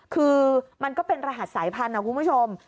คือมันก็เป็นรหัสสายพันธุ์นะคุณผู้ชม